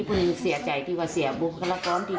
ดึงเสียใจดีกว่าเสียบุคลากรดี